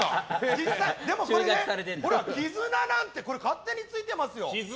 絆なんて勝手についてますよ。